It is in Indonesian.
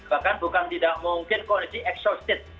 bahkan bukan tidak mungkin kondisi exhausted